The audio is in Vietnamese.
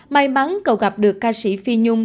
may mắn cậu gặp được ca sĩ phi nhung